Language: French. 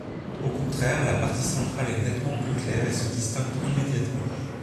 Au contraire la partie centrale est nettement plus claire et se distingue immédiatement.